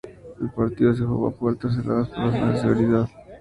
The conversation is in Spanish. El partido se jugó a puertas cerradas por razones de seguridad.